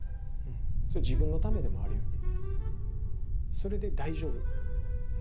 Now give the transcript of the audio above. それ自分のためでもあるよね。